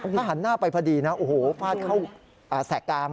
ถ้าหันหน้าไปพอดีนะโอ้โหฟาดเข้าแสกกลาง